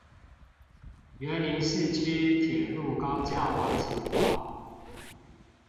員林市區鐵路高架化計畫